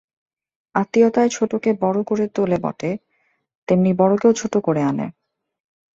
আত্মীয়তায় ছোটোকে বড়ো করে তোলে বটে, তেমনি বড়োকেও ছোটো করে আনে।